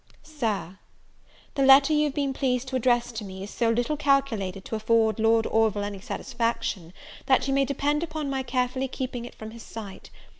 "SIR, "The letter you have been pleased to address to me, is so little calculated to afford Lord Orville any satisfaction, that you may depend upon my carefully keeping it from his sight.